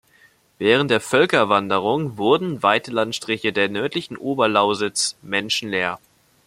Während der Völkerwanderung wurden weite Landstriche der nördlichen Oberlausitz menschenleer.